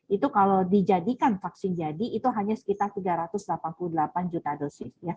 itu kalau dijadikan vaksin jadi itu hanya sekitar tiga ratus delapan puluh delapan juta dosis